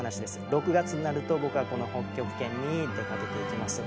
６月になると僕はこの北極圏に出かけていきます。